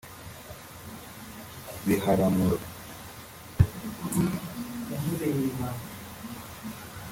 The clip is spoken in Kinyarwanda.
Biharamuro